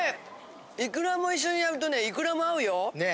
いくらも一緒にやるとねいくらも合うよ。ねぇ。